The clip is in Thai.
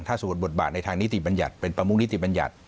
ถ้าสมมติบทบาทในทางนิติบัญญัติเป็นประมุกนิติบัญญัติ